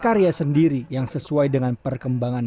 karya sendiri yang sesuai dengan perkembangan